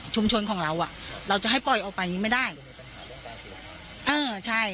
ชุมชนของเราอ่ะเราจะให้ปล่อยออกไปยังไม่ได้เออใช่